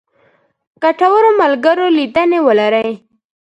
ګټورو ملګرو لیدنې ولرئ.